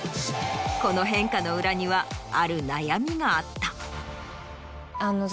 この変化の裏にはある悩みがあった。